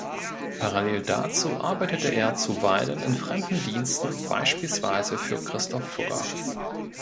Parallel dazu arbeitete er zuweilen in fremden Diensten, beispielsweise für Christoph Fugger.